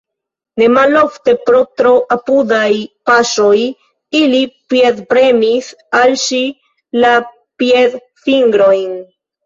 Ne malofte, pro tro apudaj paŝoj, ili piedpremis al ŝi la piedfingrojn.